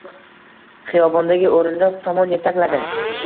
Xiyobondagi o‘rindiq tomon yetakladi.